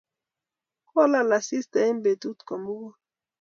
kolal asista eng' betut komugul